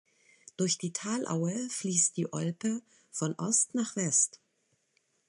Durch die Talaue fließt die Olpe von Ost nach West.